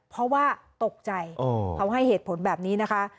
เพราะว่าตกใจเขาให้เหตุผลแบบนี้นะคะ